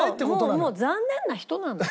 もう残念な人なのよ。